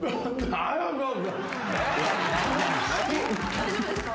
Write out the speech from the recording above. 大丈夫ですか？